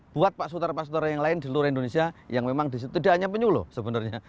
buat pak sutar pak sudara yang lain di seluruh indonesia yang memang di situ tidak hanya penyu loh sebenarnya